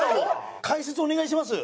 解説お願いします。